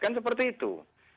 kan seperti itu